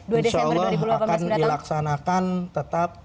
insya allah akan dilaksanakan tetap